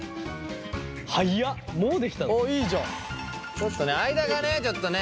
ちょっと間がねちょっとね。